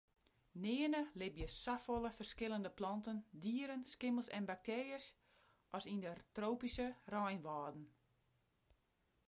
Nearne libje safolle ferskillende planten, dieren, skimmels en baktearjes as yn de tropyske reinwâlden.